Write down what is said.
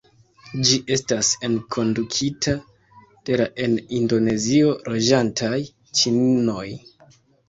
Ĝi estas enkondukita de la en Indonezio loĝantaj ĉinoj.